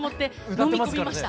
飲み込みました？